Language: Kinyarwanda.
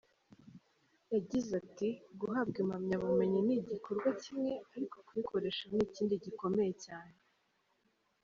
Yagize ati “Guhabwa impamyabumenyi n’igikorwa kimwe ariko kuyikoresha ni ikindi gikomeye cyane.